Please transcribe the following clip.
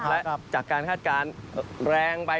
และจากการคาดการณ์แรงไป